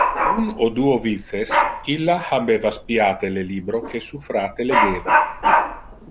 Un o duo vices illa habeva spiate le libro que su fratre legeva.